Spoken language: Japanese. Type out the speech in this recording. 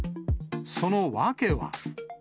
その訳は。